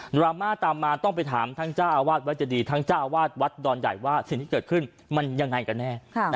ดราม่าตามมาต้องไปถามทั้งเจ้าอาวาสวัดเจดีทั้งเจ้าวาดวัดดอนใหญ่ว่าสิ่งที่เกิดขึ้นมันยังไงกันแน่